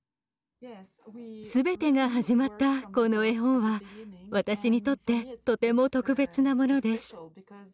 全てが始まったこの絵本は私にとってとても特別なものです。